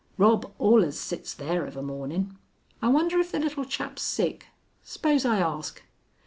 Rob allers sits there of a mornin'. I wonder if the little chap's sick. S'pose I ask."